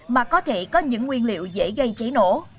mà có thể có những nguyên liệu dễ gây cháy nổ